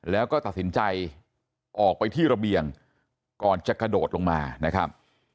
แล้วก็ตัดสินใจออกไปที่ระเบียงก่อนจะกระโดดลงมานะครับ